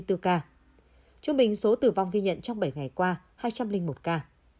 trung bình số tử vong ghi nhận trong bảy ngày qua hai trăm linh một ca